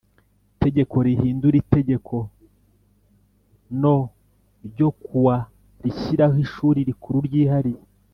Itegeko rihindura Itegeko no ryo ku wa rishyiraho Ishuri Rikuru Ryihariye